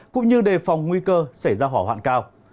cũng như đề phòng nguy cơ xảy ra hỏa hoạn cao